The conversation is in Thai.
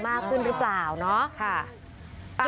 มากขึ้นหรือเปล่าเนาะ